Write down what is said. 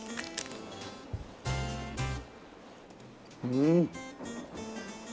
うん。